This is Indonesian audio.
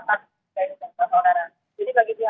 memang dari para korban sudah dievakuasi